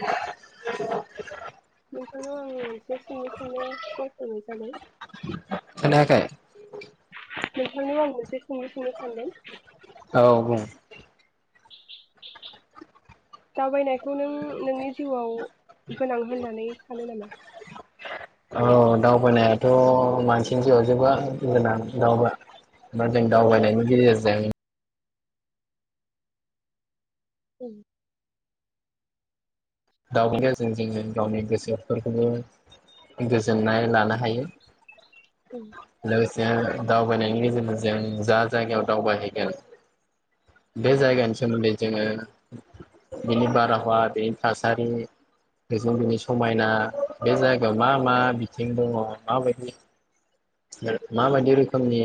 [inaudible] नोंथांनाव आङो एसे सोंलु सोंनो खल खालामनाय जादों खोनायाखै नोंथांनाव आं मोनसे सोंलुं सोंनो सानदों औ बुं [inaudible] दावबायनायखौ नों नोंनि जिउआव गोनां होननानै सानो नामा औ दाउबायनाय थ' मानसिनि जिउआव जोबोद गोनां दाउबा बा जों दावबायनायनि गेजेरजों उ दावबायनायजों जोङो गावनि गोसोफोरखौबो गोजोननाय लानो हायो लोगोसे दावबायनायनि गेजेरजों जों जा जायगायाव दावबायहैगोन बे जायगानि सोमोनदै जोङो बिनि बारहावा बे थासारि बेजों बिनि समायना बे जायगायाव मा मा बिथिं दङ माबायदि माबायदि रोखोमनि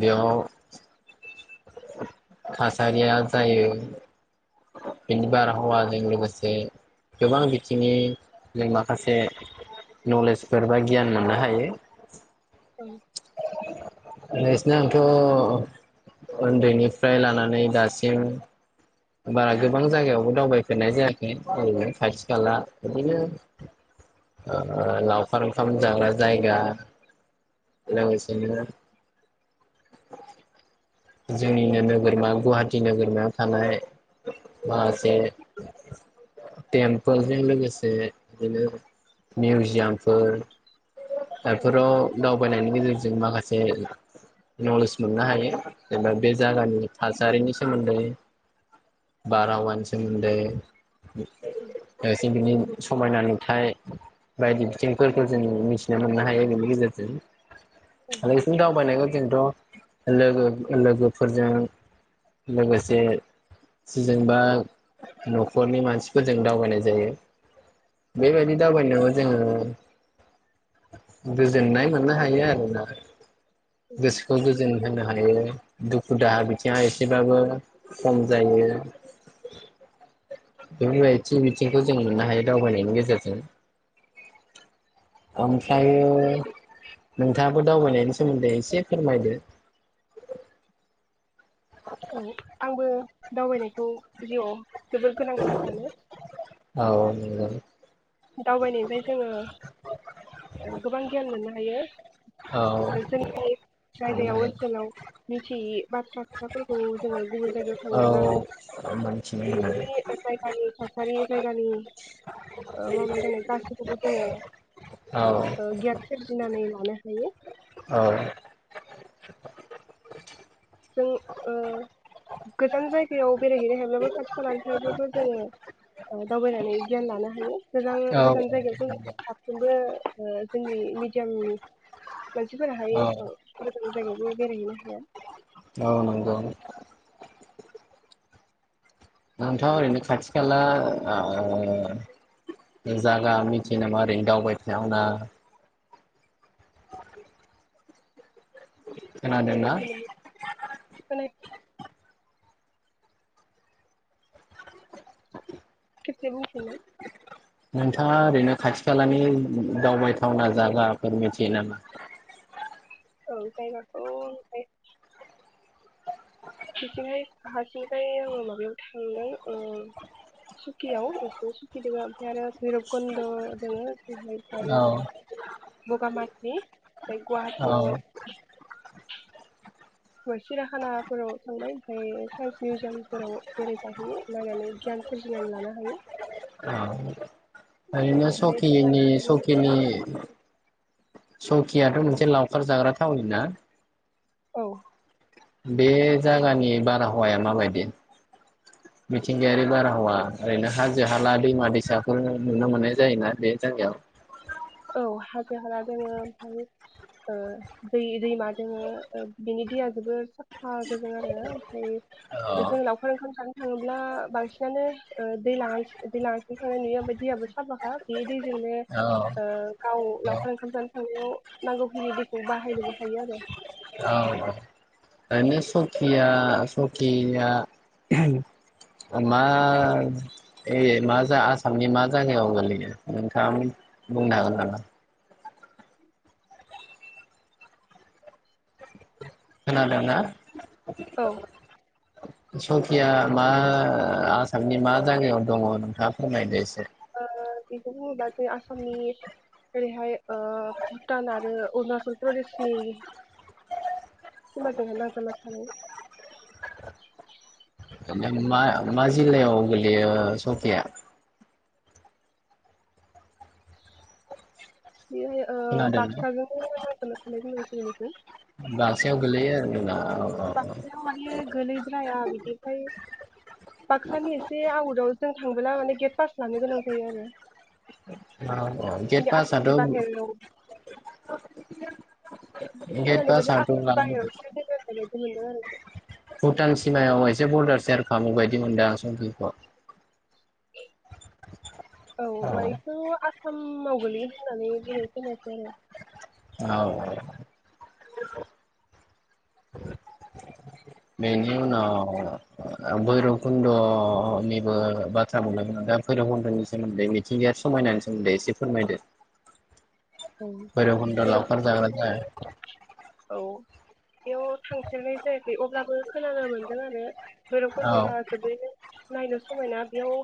बेयाव थासारिया जायो बिनि बारहावाजों लोगोसे गोबां बिथिंनि जों माखासे नलेजफोर बा गियान मोननो हायो औ नोंसना आंथ' उन्दैनिफ्राय लानानै दासिम बारा गोबां जायगायावबो दावबायफेरनाय जायाखै ओरैनो खाथि खाला बिदिनो औ ओ लावखार ओंखाम जाग्रा जायगा लोगोसेनो जोंनिनो नोगोरमा गुवाहाटि नोगोरमायाव थानाय मा जे टेमपोल जों लोगोसे बिदिनो मिउजियामफोर बेफोराव दावबायनायनि गेजेरजों जों माखासे नलेज मोननो हायो जेनबा बे जायगानि थासारिनि सोमोनदै बारहावानि सोमोनदै ए जों बिनि समायना नुथाय बायदि बिथिंफोरखौ जों मिथिनो मोननो हायो बेनि गेजेर [unintelligible] [unintelligible] जोंथ' लोगो लोगोफोरजों लोगोसे जेनेबा न'खरनि मानसिफोरजों दावबायनाय जायो बेबायदि दावबायनायाव जोङो [unintelligible] जोननाय मोननो हायो आरोना गोसोखौ गोजोन होनो दुखु दाहा बिथिङा एसेबाबो खम जायो बेफोरबायदि बिथिंखौ जों मोननो हायो दावबायनायनि गेजेरजों ओमफायो नोंथाङाबो दावबायनायनि सोमोन्दै एसे फोरमायदो औ आंबो दावबायनायखौ जिउआव जोबोद गोनांथार सानो औ दावबायनिफ्राय जोङो गोबां गियान मोननो औ हायो जोंनि जायगायाव मोननो ओनसोलाव मिथियै बाथ्रा खोथाफोरखौ जोङो गुबुन जायगायाव थाङोब्ला हायो औ मोनथिनो मोनो बिसोरनि जायगानि थासारि जायगानि ओ मावनाय दांनाय गासिखौबो जोङो औ ओ गियान सोरजिनानै [unintelligible] औ जों ओ गोजान जायगायाव बेरायहैनो हायाब्लाबो खाथि खालानिफ्रायबबो जोङो दावबायनानै गियान लानो हायो गोजान औ गोजान जायगायावथ नंगौ साफ्रोमबो जोंनि मिडियामनि मानसिफोर हायो औ एसेबां गोदान जायगायावबो बेरायहैनो हाया औ नंगौ नोंथ' ओरैनो खाथि खाला ओ जागा मिथियो नामा ओरैनो दावबायथावना? [inaudible] खोनादोंना [unintelligible] खेबसे बुंफिननाय नोंथाङा ओरैनो खाथि खालानि दावबायथावना जायगाफोर मिथियो नामा औ जायगाखौ ओमफ्राय बिथिंहाय हारसिंखाय आङो माबायाव थांदों ओ सुकियाव बिथिंनि सुखि दैमा ओमफ्राय आरो भैरबकुन्द' दोङ जोंनिफ्राय औ बगामाथि ओमफ्राय औ गुवाहाटियाव सिराखानाफोराव थांबाय ओमफ्राय साइनस मिउजियामफोराव बेरायजाहैयो नायनानै गियान सोरजिनानै लानो हायो औ ओरैनो सकिनि सकिनि [unintelligible] सकियाथ' मोनसे लावखार जाग्रा थावनि ना औ बे जागानि बारहावाया माबायदि मिथिंगायारि बारहावा ओरैनो हाजो हाला दैमा दैसाफोर नुनो मोननाय जायोना बे जायगायाव? औ हाजो हाला दोङो ओमफाय ओ दै दैमा दोङो बिनि दैया जोबोर साफा गोजों आरो औ ओमफ्राय जों लावखार ओंखाम जानो थाङोब्ला बांसिनानो दै दैलांसि थांनाय नुयो दैयाबो साफाखा बे दै जोंनो औ गाव लावखार ओंखाम जानो थांनायाव नांगौखिनि दैखौ बाहायनोबो हायो आरो। औ औ ओरैनो सकिया सकिया मा आसामनि मा जायगायाव गोल्लैयो नोंथाङा बुंनो हागोन नामा खोनादोंना? औ [inaudible] सकिया मा आसामनि मा जायगायाव दङ नोंथाङा फोरमायदो एसे ओ बेखौ बुङोबा जे आसामनि ओरैहाय ओ भुटान आरो अरुणाचल प्रदेशनि सिमाजोंहाय नांजाबना थानाय मा मा जिल्लायाव गोलैयो सकिया? बेयोहाय ओ खोनादोंना? बाकसाजों नांजाबना थानाय [unintelligible] [unintelligible] बाकसायाव गोलैयो [unintelligible] बाक्सायाव माने गोलैद्राया बिनिफ्राय बाक्सानि एसे आवुटाव जों थांबोला माने गेट पास लानो गोनां जायो आरो औ औ गेट जोंनि पासाथ' आसामनि बाहेराव गेट खोनानाय बायदिबा पासाथ' आसामनि बाहेरावसो दोङो होननाय बायदि बिदि मोनदों आरो इखौ भुटान सिमायाव एसे बरदार सेयार खालामो बायदि मोनदांं सकिखौ। ए औ मायथ' थामाव गोलैयो होननानै बुंनाय खोनायासै आरो औ औ बेनि उनाव भैरबकुन्दनिबो बाथ्रा बुंदो नोंथाङा भैरबकुन्द'नि सोमोन्दै मिथिंगायारि समायनानि सोमोन्दै एसे फोरमायदो। औ भैरबखुन्द' लावखार जाग्रा भैरबखुन्दआव जायगा। औ बेयाव थांफेरनाय जायाखै अब्लाबो खोनानो मोनदों आरो औ भैरबकुन्द'आ जोबोरैनो नायनो समायना बेयाव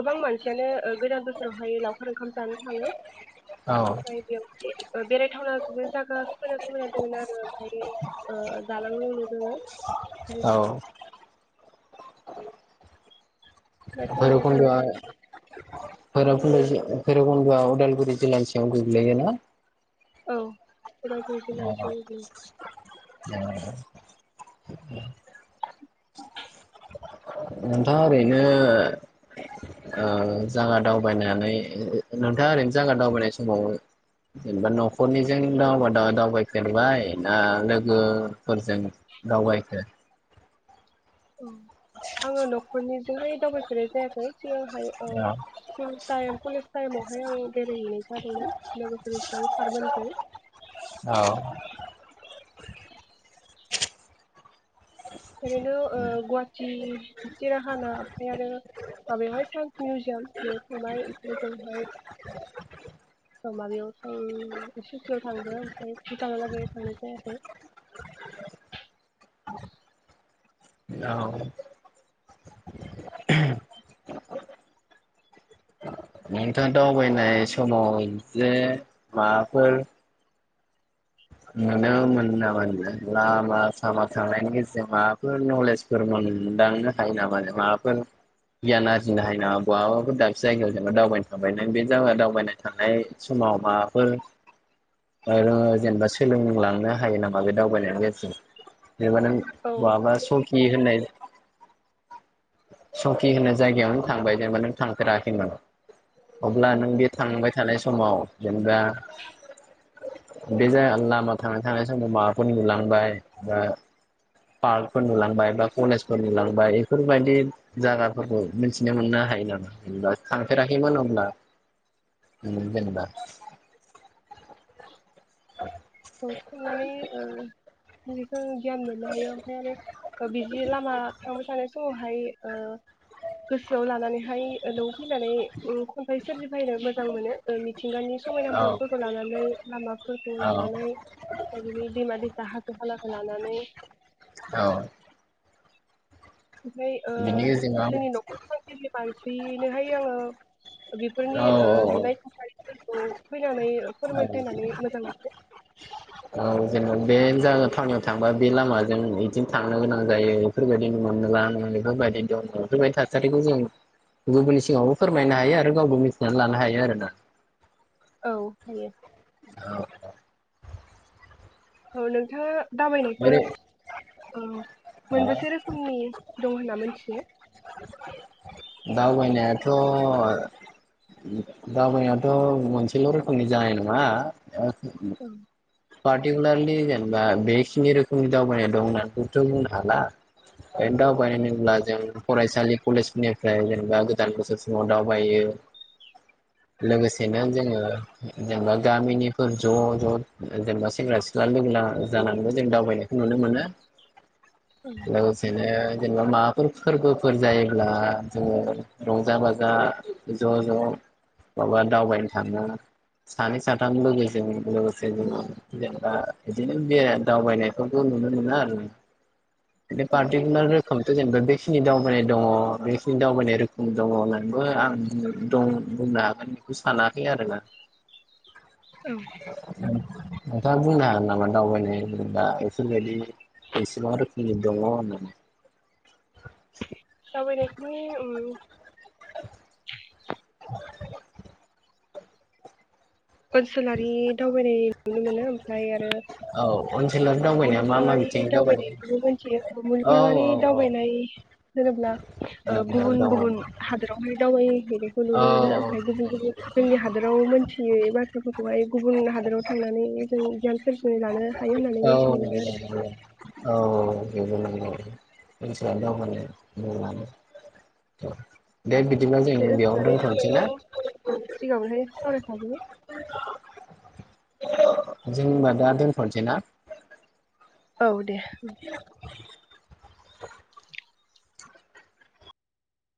गोबां मानसियानो ओ गोदान बोसोरावहाय लावखार ओंखाम जानो थाङो। ओमफ्राय बेवहाय बेरायथावना जागाफोरा समायना समायना दङो नो आरो ओमफ्राय ओ दालां लु दोङो औ बेरायथावना जाथावना भैरबखुन्दआ जायगा। भैरब [unintelligible] भैरबकुन्द'आ उदालगुरि जिल्लानि सिङाव गोग्लैयो ना? औ उदालगुरि जिलला नि सिङाव गोगलैयो। औ [unintelligible] नोंथाङा ओरैनो ओ जागा दावबायनानै नोंथाङा ओरैनो जागा दावबायनाय समाव जेनेबा न'खरनिजों दाव-दावबायफेरबाय ना लोगोफोरजों दावबायखो? ओं आङो न'खरनिजोंहाय दावबायफेरनाय जायाखै सिगांहाय ओ स्कुलटाइम कलेज टाइमावहाय आं बेरायहैनाय जादोंमोन लोगोफोरजों औ सारमोनमोनजों [inaudible] ओरैनो ओ गुहाटि सिराखाना ओमफाय आरो माबायावहाय साइन्स मिउजियाम बेयाव थांबाय ओजोंहाय ओ माबायाव ओम सुकियाव थांदो ओमफ्राय भुटाना लागै थांनाय जायाखै। नोंथाङा दावबायनाय समाव जे माबाफोर नुनो मोनो नामा लामा सामा थांनायनि गेजेरजों माबाफोर नलेजफोर मोनदांनो हायो नामा‌‌ नों? माबाफोर गियान आरजिनो जिनो हायो ना बहाबाफोर दाबसे जायगायाव जेना दावबाय थां नों बे जागा दावबाय थांनाय समाव माबाफोर जेनेबा सोलोंलांनो हायो नामा बे दावबायनायनि गेजेरजों? जेनेबा नों औ बहाबा थांबाय सकि होननाय संकि होनो जायगायावनो थांबाय जेनेबा नों थांफेराखैमोन अब्ला औ नों बे थांबाय थानाय सम समाव जेनेबा बे जाया लामा थां थानाय समाव माबाफोर नुलांबाय बा पार्कफोर नुलांबाय बा कलेजफोर नुलांबाय बेफोरबायदि जायगाफोरखौ मिथिनो मोननो हायो नामा जेनेबा थांफेराखैमोन हब्ला जेनेबा बाव थांनानै ओ [unintelligible] गियान मोननो हायो ओमफ्राय आरो बिदि लामा थांबाय थानाय समाव हाय ओ गोसोआव लानानैहाय न'आव फैनानै खन्थाइ सोरजिफैनो मोजां मोनो। मिथिंगानि समायना औ बर्डफोरखौ लानानै लामाफोरखौ औ ला लानानै दा बिनि दैमा दैसा हा खालाखौ लानानै औ ओमफ्राय ओ बिनि गेजेराव जोंनि न'खर फांनि मानसिनोहाय सिआङो बेफोरनि औ ओ औ नुनाय थाखायबो औ औ औ जेनम बेन जागोन थांनो थांबा बे लामाजों बिदिनो इथिं थांनो गोनां जायो बेफोरबायदि मोननोला नोङो बेफोरबायदि दङ बेफोरबायदि थासारिखौ जों गुबुननि सिगाङावबो फोरमायनो हायो आरो गावबो मिथिनानै लानो हायो आरोना। औ हायो। औ औ नोंथाङा दावबायनायखौ ओरै औ मोनबेसे रोखोमनि दं होनना मोनथियो। दावबायनायाथ' दावबायनायाथ' मोनसेल' रोखोमनि जानाय नङा। औ पार्टिकुलारलि जेनेबा बेखिनि रोखोमनि दावबायनाय दं होननानैबोथ' बुंनो हाला बे दावबाय औ होनोब्ला जों फरायसालि कलेजफोरनिफ्राय जेनेबा गोदान बोसोर समाव दावबायो। औ लोगोसेनो जोङो जेनेबा गामिनिफोर ज' ज' जेनेबा सेंग्रा सिख्ला लोगो ला-जानानैबो जों दावबायनायखौ नुनो मोनो। औ लोगोसेनो जेनेबा माबाफोर फोरबोफोर जायोब्ला जोङो रंजा बाजा ज' ज' माबा दावबायनो थाङो सानै साथाम लोगोजों लोगोसे ज जेनेबा बिदिनो बे दावबायनायखौबो नुनो मोना आरो बे औ पारटिकुलार रोखोमथ जेनबा बे बेखिनि दावबायनाय दङ बेखिनि दावबायनाय रोखोम दङ होननानैबो आं दं बुंनो हागोन बेखौ सानाखै आरोना औ नोंथाङा बुंनो हागोन नामा दावबायनाय दा बेफोरबायदि एसेबां रोखोमनि दङ होननानै [inaudible] दावबायनायफोरनि उम [inaudible] ओनसोलारि दावबायनाय नुनो मोनो ओमफाय आरो औ ओनसोलारि दावबायनाया मा मा मुलुगनाङारि बिथिंनि दावबायनाय दावबायनायखौबो मोनथियो औ मुलुगनाङारि औ दावबायनाय होनोब्ला ओ नोंगौ गुबुन दङ गुबुन हादोरावहाय दावबायहैनायखौ औ नुनो मोनो ओमफ्राय गुबुन गुबुन जोंनि हादोराव मोनथि [unintelligible] बाथ्राफोरखौहाय गुबुन हादोराव थांनानो जों गियान सोरजिना लानो हायो होननानै मोनथिनो मोनो आरो औ औ [unintelligible] बे बेयाव ओनसोलारि दोनथ'नोसै ना दावबायनायखौ सिगाङावहाय सावरायखाबोबाय जों ओमबा दा दोनथ'नोसै ना? औ दे ओम